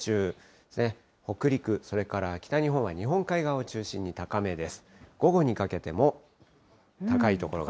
午前中ですね、北陸、それから北日本は日本海側を中心に高めです。